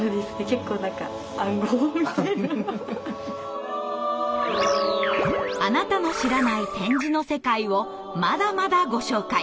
結構何かあなたの知らない点字の世界をまだまだご紹介！